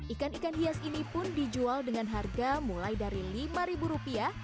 ikan ikan hias ini pun dijual dengan harga mulai dari lima rupiah